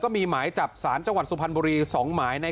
ก็เลยลองไปถามตำรวจเจ้าของคดี